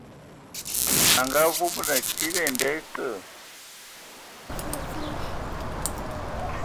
A ngaavúbulu tsid ai nda esǝ.